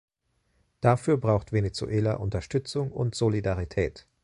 Dafür braucht Venezuela Unterstützung und Solidarität.